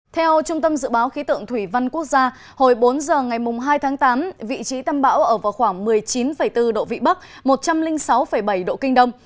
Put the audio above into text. theo trung tâm dự báo khí tượng thủy văn quốc gia hồi bốn giờ ngày hai tháng tám vị trí tâm bão ở vào khoảng một mươi chín bốn độ vĩ bắc một trăm linh sáu bảy độ kinh đông